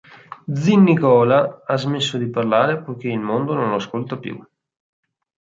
Zi' Nicola ha smesso di parlare poiché il mondo non lo ascolta più.